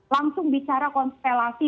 langsung bicara konstelasi